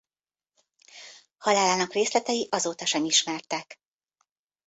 Halálának részletei azóta sem ismertek.